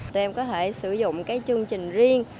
tụi em có thể sử dụng cái chương trình riêng